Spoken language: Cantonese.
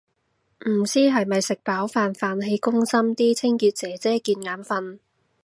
唔知係咪食飽飯，飯氣攻心啲清潔姐姐見眼訓